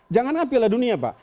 janganlah piala dunia pak